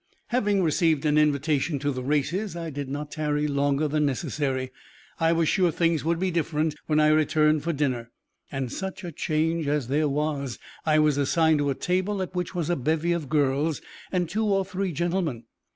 Having received an invitation to the races, I did not tarry longer than necessary. I was sure things would be different when I returned for dinner. And such a change as there was! I was assigned to a table at which was a bevy of girls and two or three gentlemen.